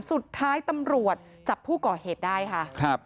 สุดท้ายตำรวจจับผู้ก่อเหตุได้ค่ะครับ